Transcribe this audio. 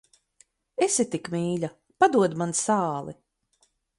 Esi tik mīļa, padod man sāli.